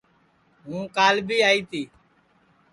ہُوں کال بھی آئی تی